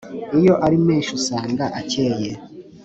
Iyo ari menshi usanga akeye